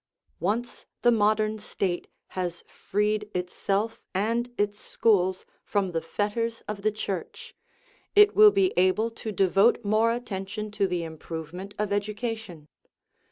Once the modern State has freed itself and its schools from the fetters of the Church, it will be able to de vote more attention to the improvement of education.